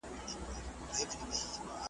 یوځل وانه خیست له غوښو څخه خوند .